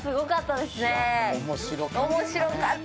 面白かった。